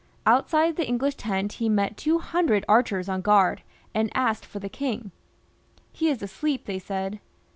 Outside the English tent he met two hundred archers on guard, and asked for the king. " He is asleep," they said.